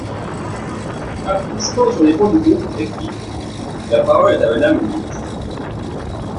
(Applaudissements sur les bancs du groupe FI.) La parole est à Madame la ministre.